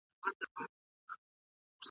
مشرانو ته په غوسه نه کتل کېږي.